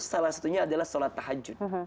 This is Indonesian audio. salah satunya adalah suatah hajut